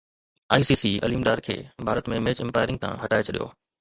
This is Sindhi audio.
I C C Aleem Dar کي ڀارت ۾ ميچ امپائرنگ تان هٽائي ڇڏيو